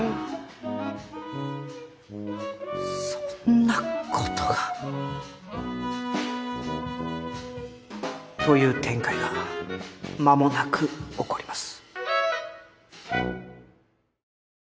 そんなことが。という展開がまもなく起こります。